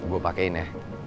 gue pakein ya